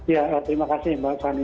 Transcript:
ya terima kasih mbak fani